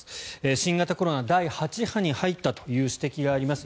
新型コロナ第８波に入ったという指摘があります。